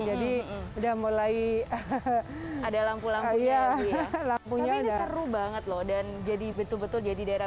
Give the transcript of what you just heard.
jadi udah mulai hahaha ada lampu lampu ya lampunya udah banget loh dan jadi betul betul jadi daerah